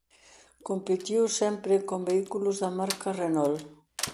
Competiu sempre con vehículos da marca Renault.